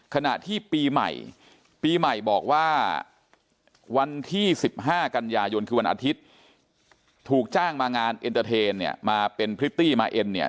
ขณะที่ปีใหม่ปีใหม่บอกว่าวันที่๑๕กันยายนคือวันอาทิตย์ถูกจ้างมางานเอ็นเตอร์เทนเนี่ยมาเป็นพริตตี้มาเอ็นเนี่ย